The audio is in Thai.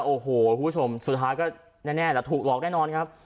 โอ้โหคุณผู้ชมสุดท้ายก็แน่แหละถูกหลอกแน่นอนครับ